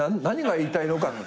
何が言いたいのか。